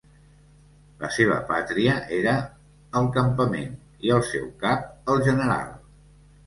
La seva pàtria era el campament i el seu cap el general.